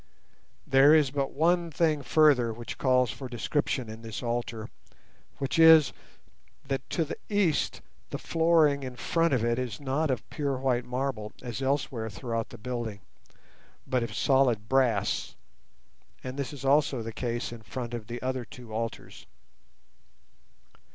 There is but one thing further which calls for description in this altar, which is, that to the east the flooring in front of it is not of pure white marble, as elsewhere throughout the building, but of solid brass, and this is also the case in front of the other two altars.